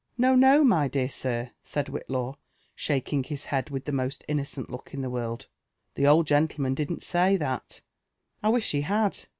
"No, no, my dear sir," said Whitlaw, shaking his head with the most innocent look in the world ;'* the old gentleman didn't sa} that — I wish he had